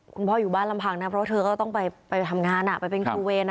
คุณพ่ออยู่บ้านลำพังนะเพราะว่าเธอก็ต้องไปทำงานไปเป็นครูเวร